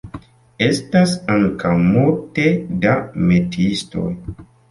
Estas ankaŭ multe da metiistoj.